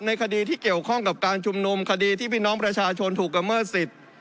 คดีที่เกี่ยวข้องกับการชุมนุมคดีที่พี่น้องประชาชนถูกกระเมิดสิทธิ์